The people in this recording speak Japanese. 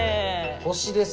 星です。